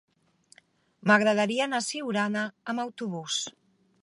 M'agradaria anar a Siurana amb autobús.